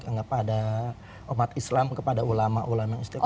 nggak pada umat islam kepada ulama ulama yang istiqamah